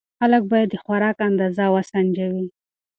خلک باید د خوراک اندازه وسنجوي.